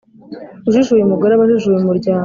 Ujijuye umugore aba ajijuye umuryango